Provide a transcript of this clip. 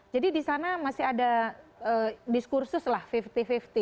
jadi di sana masih ada diskursus lah fifty fifty